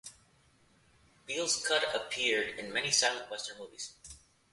Beale's Cut appeared in many silent western movies.